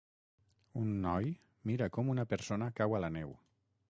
Un noi mira com una persona cau a la neu.